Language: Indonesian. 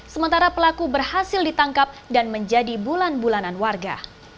sementara pelaku berhasil ditangkap dan menjadi bulan bulanan warga